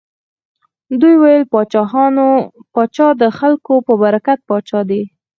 دوی ویل پاچا د خلکو په برکت پاچا دی.